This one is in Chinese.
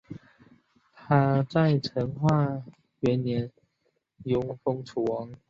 他在成化元年嗣封楚王。